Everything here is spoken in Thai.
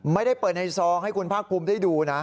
ไม่ได้เปิดในซองให้คุณภาคภูมิได้ดูนะ